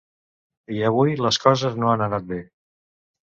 I avui les coses no han anat bé.